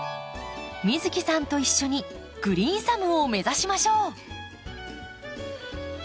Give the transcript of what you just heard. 美月さんと一緒にグリーンサムを目指しましょう。